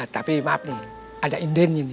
tapi maaf nih ada inden ini